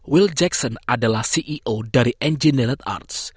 will jackson adalah ceo dari engineert arts